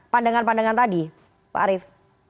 pandangan pandangan tadi pak arief